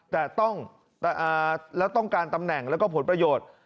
แต่ต้องความใจต้องการตำแหน่งและผลประโยชน์